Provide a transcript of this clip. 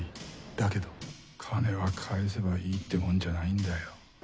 だけど金は返せばいいってもんじゃないんだよ。